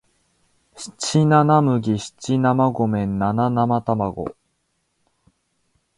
七生麦七生米七生卵